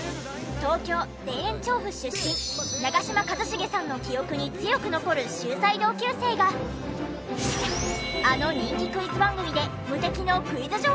東京田園調布出身長嶋一茂さんの記憶に強く残る秀才同級生があの人気クイズ番組で無敵のクイズ女王になっていた！？